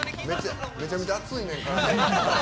めちゃめちゃ熱いねん、体。